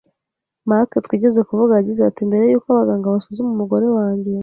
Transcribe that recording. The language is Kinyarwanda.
Mark twigeze kuvuga yagize ati “mbere y’uko abaganga basuzuma umugore wanjye